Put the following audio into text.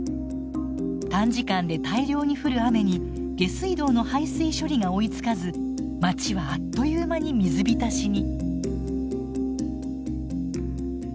短時間で大量に降る雨に下水道の排水処理が追いつかず町はあっという間に水浸しに。